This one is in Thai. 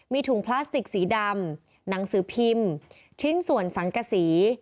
มีถุงพลาสติกสีดำหนังสือพิมพ์ชิ้นส่วนสังกษี